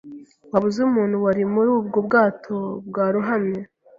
Waba uzi umuntu wari muri ubwo bwato bwarohamye?